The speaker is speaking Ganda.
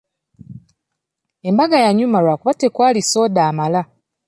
Embaga yanyuma lwakuba tekwali soda amala.